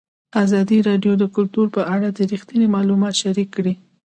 ازادي راډیو د کلتور په اړه رښتیني معلومات شریک کړي.